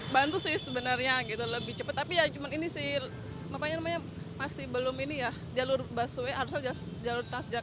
jakartanya berebutan jadi ribet banget